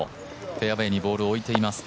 フェアウエーにボールを置いています。